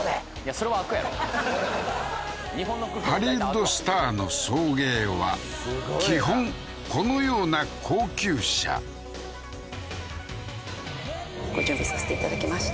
それは開くやろハリウッドスターの送迎は基本このような高級車ご準備させていただきました